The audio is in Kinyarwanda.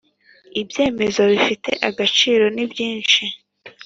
ibyemezo bifite agaciro nibyishi.